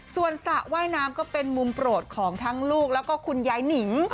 ส่วนสระว่ายน้ำก็เป็นมุมโปรดของทั้งลูกแล้วก็คุณยายหนิง